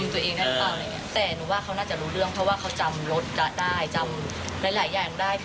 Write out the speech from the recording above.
แต่หนูว่าเขาน่าจะรู้เรื่องเพราะว่าเขาจำรถได้จำหลายอย่างด้าน